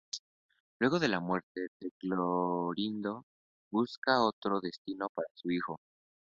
Luego de la muerte de Clorindo, busca otro destino para su hijo.